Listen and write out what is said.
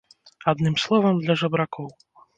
Адным словам, для жабракоў.